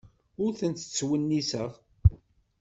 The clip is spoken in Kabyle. Ur tent-ttwenniseɣ.